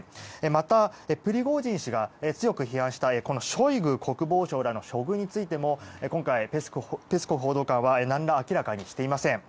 また、プリゴジン氏が強く批判したショイグ国防相らの処遇についても今回、ペスコフ報道官は何ら明らかにしていません。